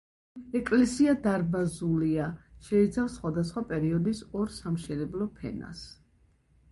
ეკლესია დარბაზულია, შეიცავს სხვადასხვა პერიოდის ორ სამშენებლო ფენას.